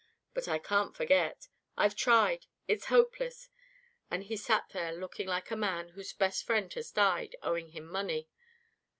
But I can't forget. I've tried. It's hopeless.' And he sat there looking like a man whose best friend has died, owing him money.